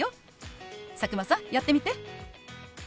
佐久間さんやってみて。